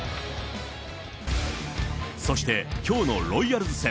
そしてきょうのロイヤルズ戦。